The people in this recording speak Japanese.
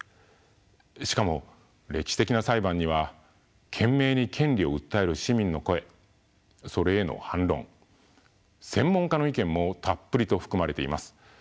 しかも歴史的な裁判には懸命に権利を訴える市民の声それへの反論専門家の意見もたっぷりと含まれています。